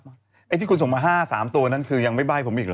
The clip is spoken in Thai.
ไอ้ที่คุณส่งมา๕๓ตัวนั้นคือยังไม่ใบ้ผมอีกเหรอ